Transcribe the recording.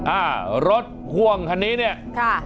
อ่ารถพ่วงคันนี้เนี่ยค่ะ